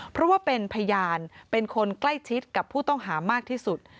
เพราะว่าเป็นพยานเป็นคนใกล้ชิดกับผู้ต้องหามากที่สุด